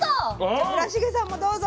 じゃあ村重さんもどうぞ。